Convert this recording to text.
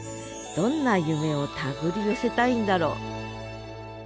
どんな夢を手繰り寄せたいんだろう？